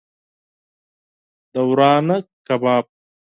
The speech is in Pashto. د ورانه کباب